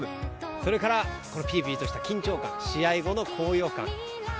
それから、ぴりぴりとした緊張感試合後の高揚感。